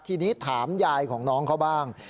ทีนี้ถามยายของน้องเขาบ้าง